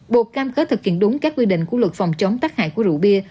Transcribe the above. bộ cam kết thực hiện đúng các quy định của luật phòng chống tác hại của rượu bia